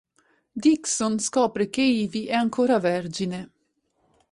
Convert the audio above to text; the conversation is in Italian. Dixon scopre che Ivy è ancora vergine.